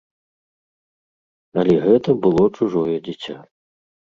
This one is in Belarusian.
Але гэта было чужое дзіця.